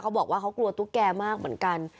บอกว่าเขากลัวตุ๊กแกมากเหมือนกัน